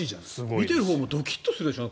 見てるほうもドキッとするでしょ。